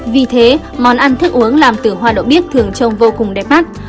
vì thế món ăn thức uống làm từ hoa đậu bí thường trông vô cùng đẹp mắt